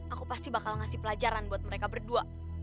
aku pasti bakal ngasih pelajaran buat mereka berdua